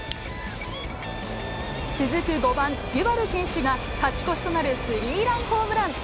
続く５番デュバル選手が勝ち越しとなるスリーランホームラン。